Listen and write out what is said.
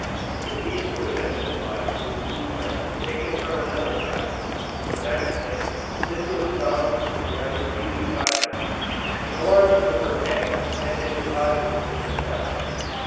The bees were then supplied with bee bread taken from another hive: the next day, this was found to have been used by them, and a large number of eggs had been deposited in the cells.